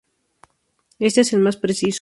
Este es el más preciso.